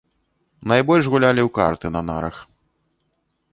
Найбольш гулялі ў карты на нарах.